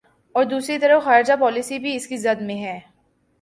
ا ور دوسری طرف خارجہ پالیسی بھی اس کی زد میں ہے۔